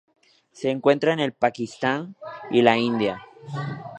Se encuentra en el Pakistán y la India.